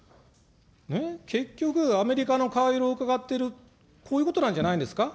結局、アメリカの顔色をうかがっている、こういうことなんじゃないですか。